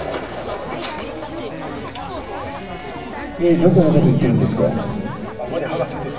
えどこのこと言ってるんですか？